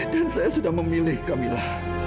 dan saya sudah memilih camilla